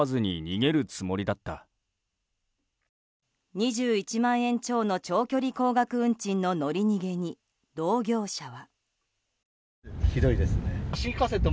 ２１万円超の長距離高額運賃の乗り逃げに、同業者は。